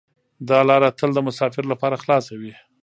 دا لاره تل د مسافرو لپاره خلاصه وي.